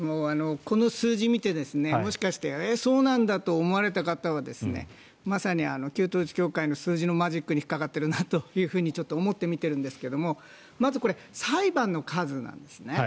この数字を見てえ、そうなんだと思われた方はまさに旧統一教会の数字のマジックに引っかかっているなと思ってちょっと思って見てるんですがまずこれ、裁判の数なんですね。